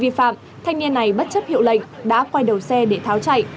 vi phạm thanh niên này bất chấp hiệu lệnh đã quay đầu xe để tháo chạy